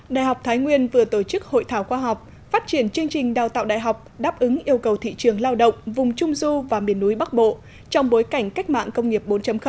đại học thái nguyên vừa tổ chức hội thảo khoa học phát triển chương trình đào tạo đại học đáp ứng yêu cầu thị trường lao động vùng trung du và miền núi bắc bộ trong bối cảnh cách mạng công nghiệp bốn